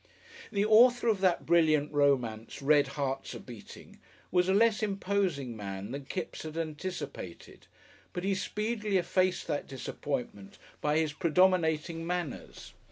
The author of that brilliant romance, "Red Hearts a Beating," was a less imposing man than Kipps had anticipated, but he speedily effaced that disappointment by his predominating manners.